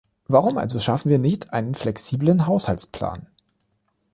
Warum also schaffen wir nicht einen flexiblen Haushaltsplan?